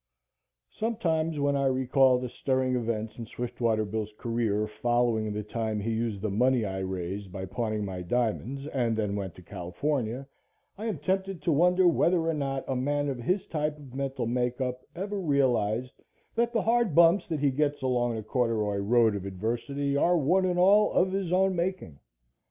SOMETIMES, when I recall the stirring events in Swiftwater Bill's career, following the time he used the money I raised by pawning my diamonds and then went to California, I am tempted to wonder whether or not a man of his type of mental makeup ever realized that the hard bumps that he gets along the corduroy road of adversity are one and all of his own making.